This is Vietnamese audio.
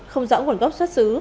không rõ nguồn gốc xuất xứ